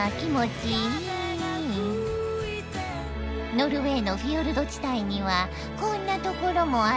ノルウェーのフィヨルド地帯にはこんな所もあるよ。